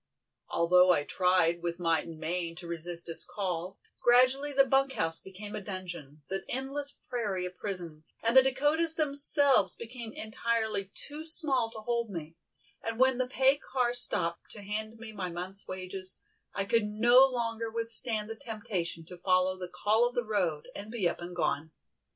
Although I tried with might and main to resist its call, gradually the bunk house became a dungeon, the endless prairie a prison, and the Dakotas themselves became entirely too small to hold me, and when the pay car stopped to hand me my month's wages, I could no longer withstand the temptation to follow the "Call of the Road" and be up and gone.